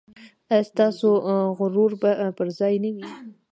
ایا ستاسو غرور به پر ځای نه وي؟